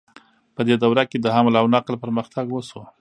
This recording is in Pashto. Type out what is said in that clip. په دې دوره کې د حمل او نقل پرمختګ وشو.